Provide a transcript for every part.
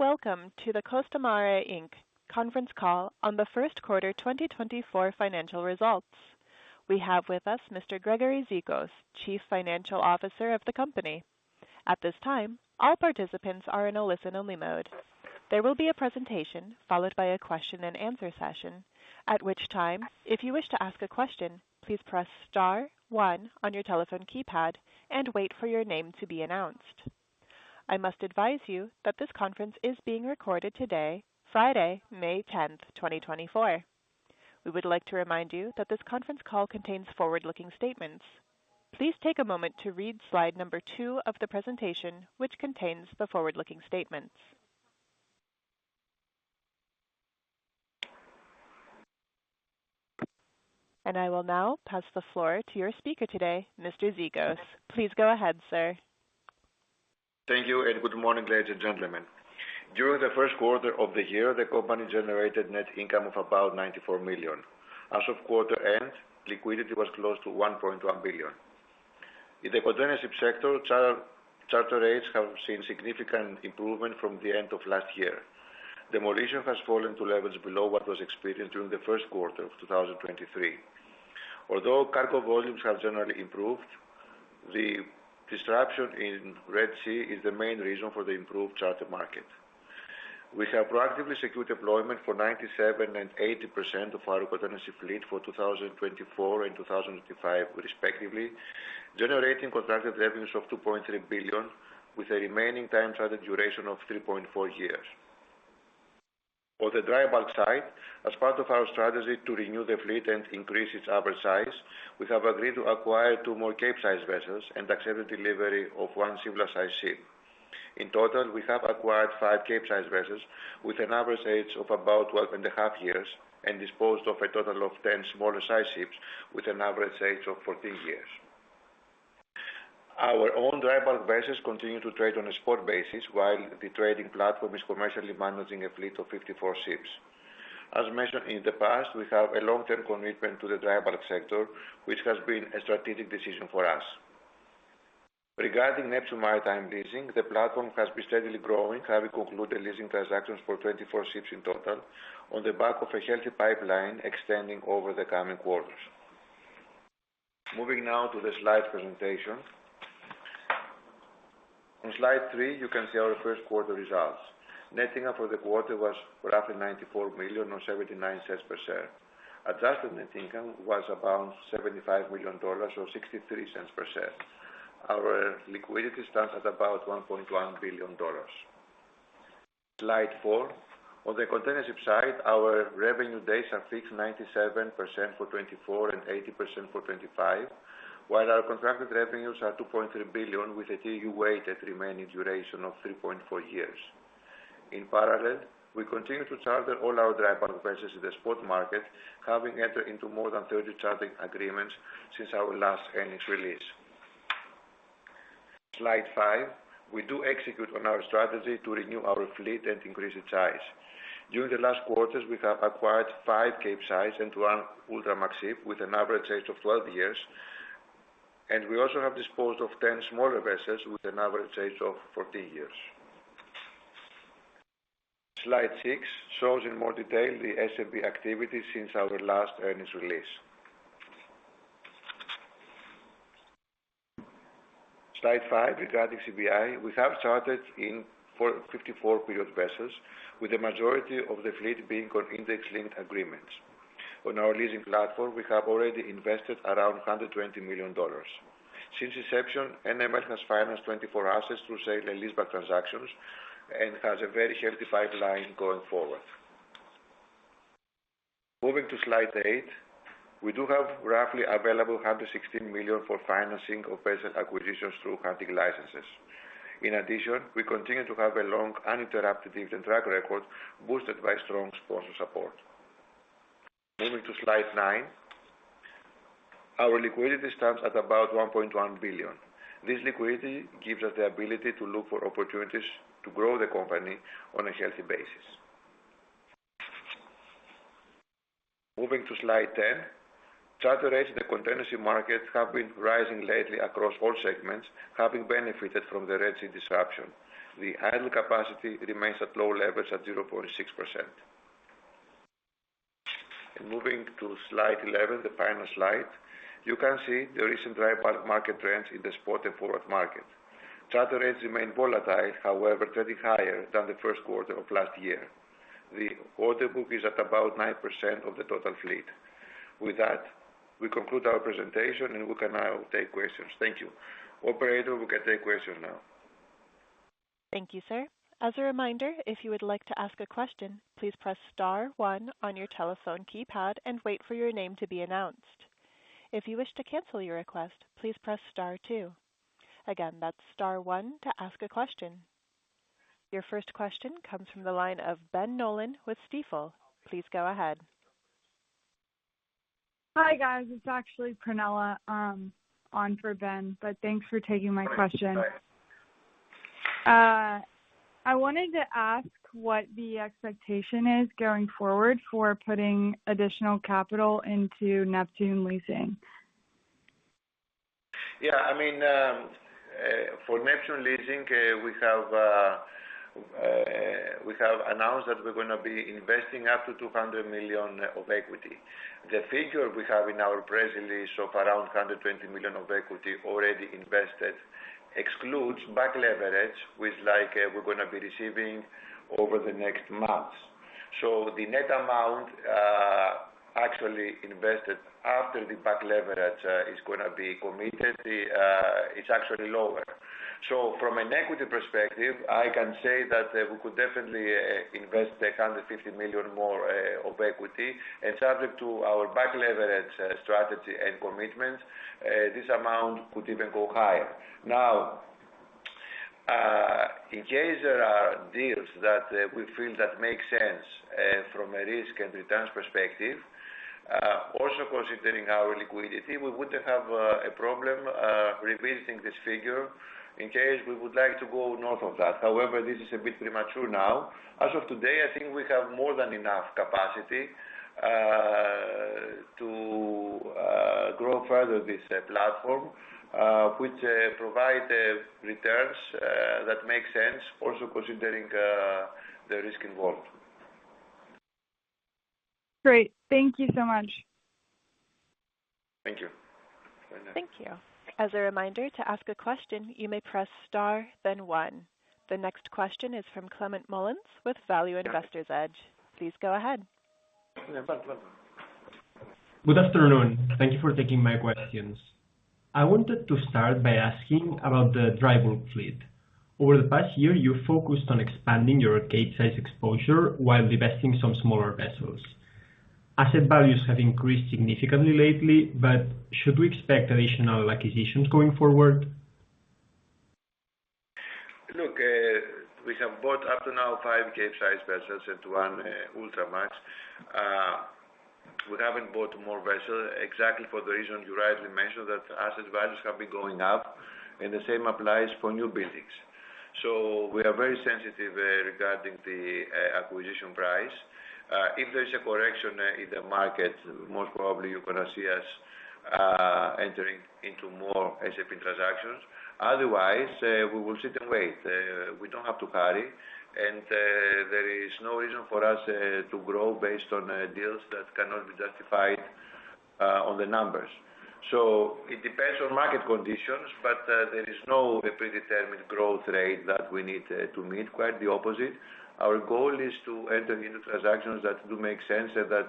Welcome to the Costamare Inc. conference call on the first quarter 2024 financial results. We have with us Mr. Gregory Zikos, Chief Financial Officer of the company. At this time, all participants are in a listen-only mode. There will be a presentation followed by a question-and-answer session, at which time if you wish to ask a question please press star star on your telephone keypad and wait for your name to be announced. I must advise you that this conference is being recorded today, Friday, May 10th, 2024. We would like to remind you that this conference call contains forward-looking statements. Please take a moment to read slide two of the presentation which contains the forward-looking statements. I will now pass the floor to your speaker today, Mr. Zikos. Please go ahead, sir. Thank you, and good morning, ladies and gentlemen. During the first quarter of the year, the company generated net income of about $94 million. As of quarter end, liquidity was close to $1.1 billion. In the containership sector, charter rates have seen significant improvement from the end of last year. Demolition has fallen to levels below what was experienced during the first quarter of 2023. Although cargo volumes have generally improved, the disruption in Red Sea is the main reason for the improved charter market. We have proactively secured employment for 97% and 80% of our containership fleet for 2024 and 2025, respectively, generating contracted revenues of $2.3 billion with a remaining time charter duration of 3.4 years. On the dry bulk side, as part of our strategy to renew the fleet and increase its average size, we have agreed to acquire two more Capesize vessels and accepted delivery of one similar-size ship. In total, we have acquired five Capesize vessels with an average age of about 12.5 years and disposed of a total of 10 smaller-size ships with an average age of 14 years. Our own dry bulk vessels continue to trade on a spot basis while the trading platform is commercially managing a fleet of 54 ships. As mentioned in the past, we have a long-term commitment to the dry bulk sector, which has been a strategic decision for us. Regarding Neptune Maritime Leasing, the platform has been steadily growing, having concluded leasing transactions for 24 ships in total on the back of a healthy pipeline extending over the coming quarters. Moving now to the slide presentation. On slide three, you can see our first quarter results. Net income for the quarter was roughly $94 million or $0.79 per share. Adjusted net income was about $75 million or $0.63 per share. Our liquidity stands at about $1.1 billion. Slide four. On the containership side, our revenue days are fixed 97% for 2024 and 80% for 2025, while our contracted revenues are $2.3 billion with a TEU-weighted remaining duration of 3.4 years. In parallel, we continue to charter all our dry bulk vessels in the spot market, having entered into more than 30 chartering agreements since our last earnings release. Slide five. We do execute on our strategy to renew our fleet and increase its size. During the last quarters, we have acquired five Capesize and one Ultramax ship with an average age of 12 years, and we also have disposed of 10 smaller vessels with an average age of 14 years. Slide 6 shows in more detail the S&P activity since our last earnings release. Slide five regarding CBI. We have chartered in for 54 period vessels, with the majority of the fleet being on index-linked agreements. On our leasing platform, we have already invested around $120 million. Since inception, NML has financed 24 assets through sale and leaseback transactions and has a very healthy pipeline going forward. Moving to slide eight. We do have roughly available $116 million for financing of vessel acquisitions through hunting licenses. In addition, we continue to have a long, uninterrupted dividend track record boosted by strong sponsor support. Moving to slide nine. Our liquidity stands at about $1.1 billion. This liquidity gives us the ability to look for opportunities to grow the company on a healthy basis. Moving to slide 10. Charter rates in the containership market have been rising lately across all segments, having benefited from the Red Sea disruption. The idle capacity remains at low levels at 0.6%. Moving to slide 11, the final slide, you can see the recent dry bulk market trends in the spot and forward market. Charter rates remain volatile, however, trading higher than the first quarter of last year. The order book is at about 9% of the total fleet. With that, we conclude our presentation, and we can now take questions. Thank you. Operator, we can take questions now. Thank you, sir. As a reminder, if you would like to ask a question, please press star one on your telephone keypad and wait for your name to be announced. If you wish to cancel your request, please press star two. Again, that's star one to ask a question. Your first question comes from the line of Ben Nolan with Stifel. Please go ahead. Hi, guys. It's actually Pranella, on for Ben, but thanks for taking my question. Hi, hi. I wanted to ask what the expectation is going forward for putting additional capital into Neptune Leasing? Yeah. I mean, for Neptune Leasing, we have, we have announced that we're going to be investing up to $200 million of equity. The figure we have in our press release of around $120 million of equity already invested excludes back leverage, which, like, we're going to be receiving over the next months. So the net amount, actually invested after the back leverage, is going to be committed, it's actually lower. So from an equity perspective, I can say that, we could definitely, invest $150 million more, of equity. And subject to our back leverage, strategy and commitments, this amount could even go higher. Now, in case there are deals that, we feel that make sense, from a risk and returns perspective, also considering our liquidity, we wouldn't have, a problem, revisiting this figure in case we would like to go north of that. However, this is a bit premature now. As of today, I think we have more than enough capacity to grow further this platform, which provide returns that make sense, also considering the risk involved. Great. Thank you so much. Thank you. Thank you. As a reminder, to ask a question, you may press star, then one. The next question is from Climent Molins with Value Investor's Edge. Please go ahead. Yeah. Go ahead, go ahead. Good afternoon. Thank you for taking my questions. I wanted to start by asking about the dry bulk fleet. Over the past year, you focused on expanding your Capesize exposure while divesting some smaller vessels. Asset values have increased significantly lately, but should we expect additional acquisitions going forward? Look, we have bought up to now five Capesize vessels and one Ultramax. We haven't bought more vessels exactly for the reason you rightly mentioned, that asset values have been going up, and the same applies for new buildings. So we are very sensitive regarding the acquisition price. If there is a correction in the market, most probably you're going to see us entering into more S&P transactions. Otherwise, we will sit and wait. We don't have to hurry, and there is no reason for us to grow based on deals that cannot be justified on the numbers. So it depends on market conditions, but there is no predetermined growth rate that we need to meet, quite the opposite. Our goal is to enter into transactions that do make sense and that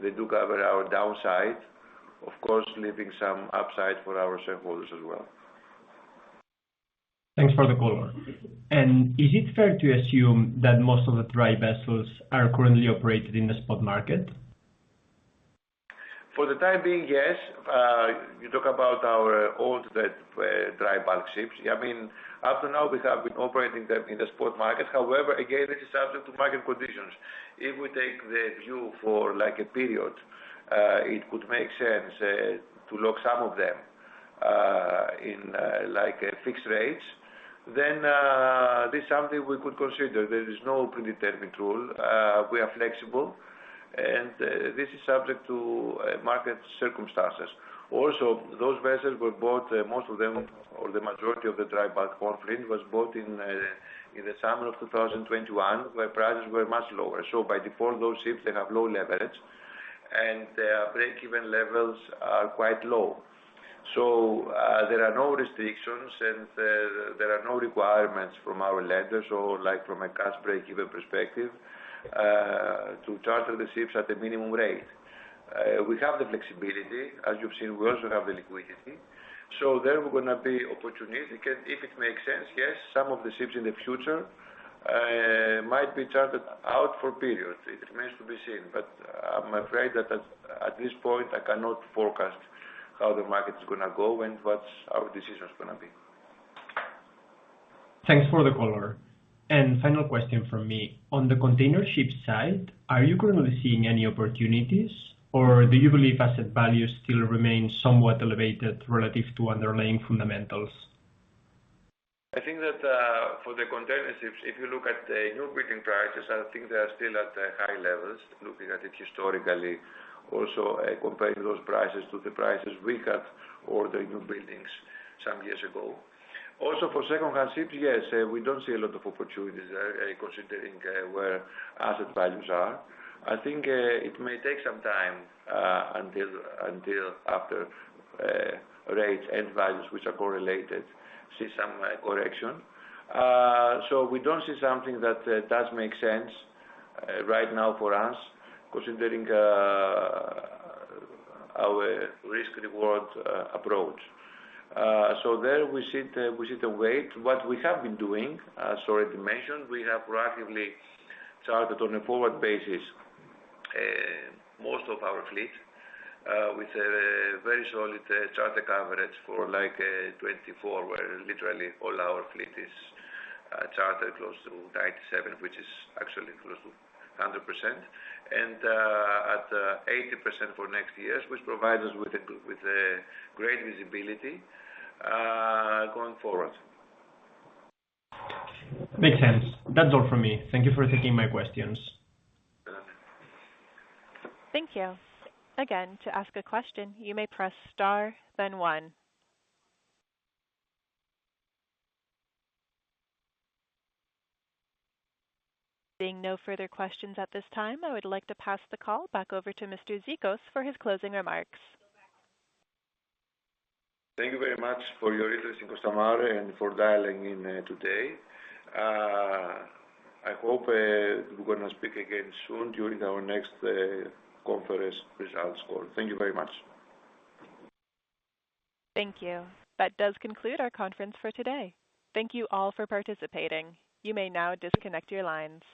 they do cover our downside, of course, leaving some upside for our shareholders as well. Thanks for the color. Is it fair to assume that most of the dry vessels are currently operated in the spot market? For the time being, yes. You talk about our dry bulk ships. I mean, up to now, we have been operating them in the spot market. However, again, this is subject to market conditions. If we take the view for, like, a period, it could make sense to lock some of them in like fixed rates. Then, this is something we could consider. There is no predetermined rule. We are flexible, and this is subject to market circumstances. Also, those vessels were bought, most of them or the majority of the dry bulk fleet was bought in the summer of 2021, where prices were much lower. So by default, those ships, they have low leverage, and their breakeven levels are quite low. So, there are no restrictions, and there are no requirements from our lenders or, like, from a cash breakeven perspective, to charter the ships at a minimum rate. We have the flexibility. As you've seen, we also have the liquidity. So there we're going to be opportunistic, and if it makes sense, yes, some of the ships in the future might be chartered out for a period. It remains to be seen, but I'm afraid that at this point, I cannot forecast how the market is going to go and what our decision is going to be. Thanks for the caller. Final question from me. On the container ship side, are you currently seeing any opportunities, or do you believe asset values still remain somewhat elevated relative to underlying fundamentals? I think that for the container ships, if you look at the new building prices, I think they are still at high levels, looking at it historically, also comparing those prices to the prices we had ordered new buildings some years ago. Also for second-hand ships, yes, we don't see a lot of opportunities, considering where asset values are. I think it may take some time until after rates and values, which are correlated, see some correction. So we don't see something that does make sense right now for us, considering our risk-reward approach. So there we sit and wait. What we have been doing, as already mentioned, we have proactively chartered on a forward basis most of our fleet with very solid charter coverage for, like, 2024, where literally all our fleet is chartered close to 97%, which is actually close to 100%, and at 80% for next year, which provides us with great visibility going forward. Makes sense. That's all from me. Thank you for taking my questions. Thank you. Again, to ask a question, you may press star, then one. Seeing no further questions at this time, I would like to pass the call back over to Mr. Zikos for his closing remarks. Thank you very much for your interest in Costamare and for dialing in today. I hope we're going to speak again soon during our next conference results call. Thank you very much. Thank you. That does conclude our conference for today. Thank you all for participating. You may now disconnect your lines.